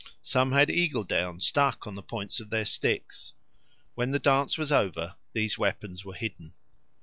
Some had eagle down stuck on the points of their sticks. When the dance was over, these weapons were hidden.